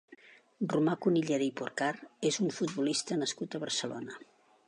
Romà Cunillera i Porcar és un futbolista nascut a Barcelona.